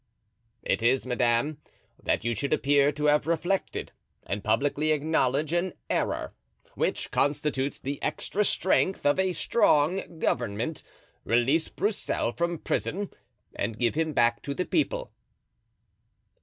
"It is this, madame: that you should appear to have reflected, and publicly acknowledge an error, which constitutes the extra strength of a strong government; release Broussel from prison and give him back to the people."